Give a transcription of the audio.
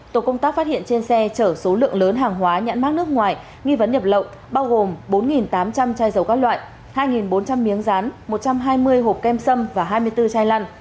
tổ công tác phát hiện trên xe chở số lượng lớn hàng hóa nhãn mát nước ngoài nghi vấn nhập lậu bao gồm bốn tám trăm linh chai dầu các loại hai bốn trăm linh miếng rán một trăm hai mươi hộp kem sâm và hai mươi bốn chai lăn